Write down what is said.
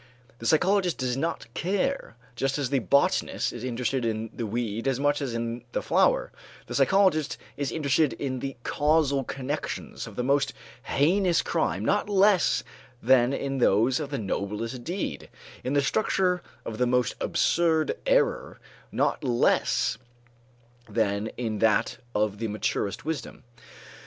The psychologist does not care; just as the botanist is interested in the weed as much as in the flower, the psychologist is interested in the causal connections of the most heinous crime not less than in those of the noblest deed, in the structure of the most absurd error not less than in that of the maturest wisdom.